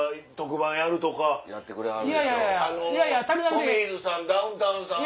トミーズさんダウンタウンさん